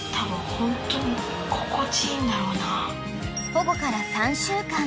［保護から３週間］